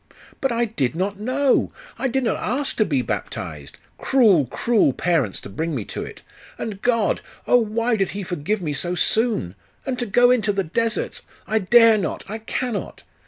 'But I did not know! I did not ask to be baptized! Cruel, cruel parents, to bring me to it! And God! Oh, why did He forgive me so soon? And to go into the deserts! I dare not! I cannot!